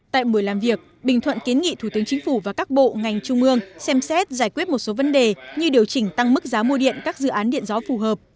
tại buổi làm việc bình thuận kiến nghị thủ tướng chính phủ và các bộ ngành trung ương xem xét giải quyết một số vấn đề như điều chỉnh tăng mức giá mua điện các dự án điện gió phù hợp